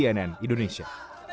abdul rojak cnn indonesia